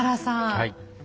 はい。